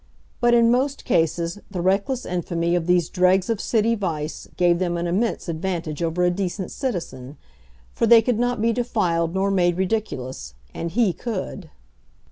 But, in most cases, the reckless infamy of these dregs of city vice gave them an immense advantage over a decent citizen; for they could not be defiled nor made ridiculous, and he could.